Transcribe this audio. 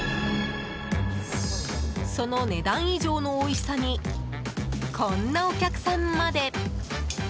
その値段以上のおいしさにこんなお客さんまで。